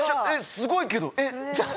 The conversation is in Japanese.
すごいけどえっ。